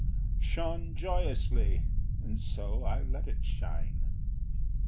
Shone joyously, and so I let it shine.